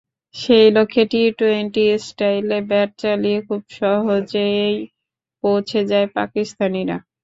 সেই লক্ষ্যে টি-টোয়েন্টি স্টাইলে ব্যাট চালিয়ে খুব সহজেই পৌঁছে যায় পাকিস্তানিরা।